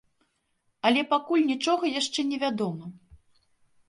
Але пакуль нічога яшчэ не вядома.